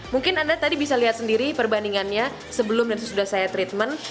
mungkin anda tadi bisa lihat sendiri perbandingannya sebelum dan sesudah saya treatment